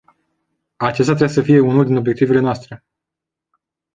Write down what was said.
Acesta trebuie să fie unul dintre obiectivele noastre.